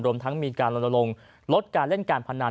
รวมทั้งมีการลนลงลดการเล่นการพนัน